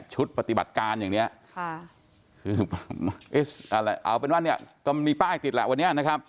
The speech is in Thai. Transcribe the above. ชุดปฏิบัติการอย่างนี้เอาเป็นว่ามีป้ายติดแหละวันนี้